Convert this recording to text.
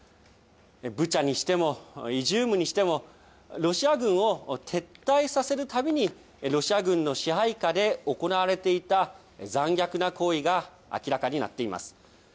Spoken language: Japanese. ブチャにしても、イジュームにしても、ロシア軍を撤退させるたびに、ロシア軍の支配下で行われていた残虐な行為が明らかになっています。